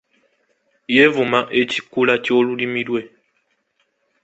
Yeevuma ekikula ky’olulimi lwe.